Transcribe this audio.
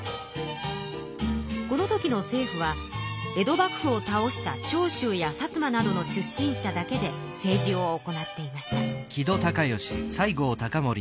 この時の政府は江戸幕府を倒した長州や薩摩などの出身者だけで政治を行っていました。